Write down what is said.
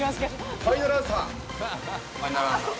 ファイナルアンサー。